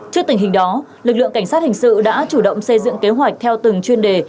trước tình hình đó lực lượng cảnh sát hình sự đã chủ động xây dựng kế hoạch theo từng chuyên đề